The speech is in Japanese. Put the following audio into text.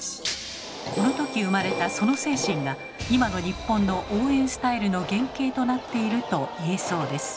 この時生まれたその精神が今の日本の応援スタイルの原形となっていると言えそうです。